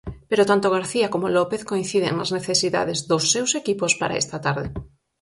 Pero tanto García como López coinciden nas necesidades dos seus equipos para esta tarde.